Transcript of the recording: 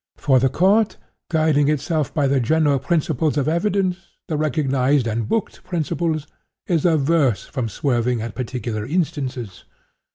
For the court, guiding itself by the general principles of evidence—the recognized and booked principles—is averse from swerving at particular instances.